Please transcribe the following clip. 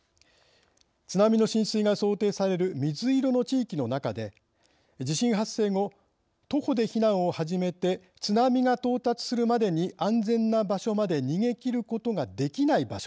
津波の浸水が想定される水色の地域の中で地震発生後徒歩で避難を始めて津波が到達するまでに安全な場所まで逃げ切ることができない場所。